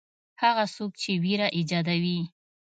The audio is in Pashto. هغه څوک چې وېره ایجادوي.